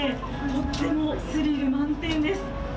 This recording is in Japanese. とってもスリル満点です。